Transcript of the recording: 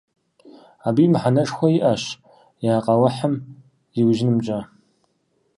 Абыи мыхьэнэшхуэ иӀэщ я къэухьым зиужьынымкӀэ.